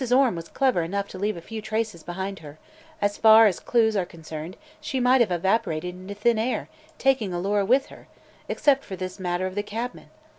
Orme was clever enough to leave few traces behind her; as far as clews are concerned she might have evaporated into thin air, taking Alora with her except for this matter of the cabman.